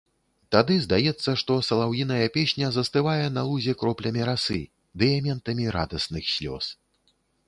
Тады здаецца, што салаўіная песня застывае на лузе кроплямі расы, дыяментамі радасных слёз.